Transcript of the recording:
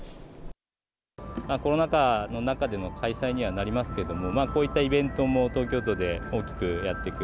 コロナ禍の中での開催にはなりますけれども、こういったイベントも東京都で大きくやっていく。